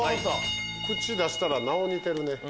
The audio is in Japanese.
口出したらなお似てるね。